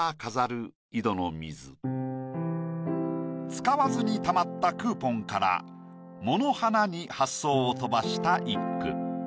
使わずにたまったクーポンから藻の花に発想を飛ばした一句。